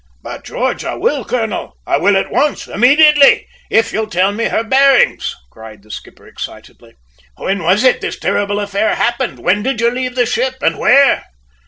"By George I will, colonel; I will at once immediately if you'll tell me her bearings," cried the skipper excitedly. "When was it this terrible affair happened? When did you leave the ship, and where?"